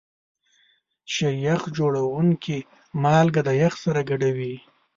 شیریخ جوړونکي مالګه د یخ سره ګډوي.